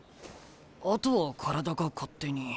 あとは体が勝手に。